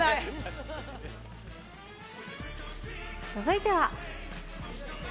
続いては。